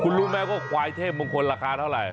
คุณรู้ไหมว่าควายเทพมงคลราคาเท่าไหร่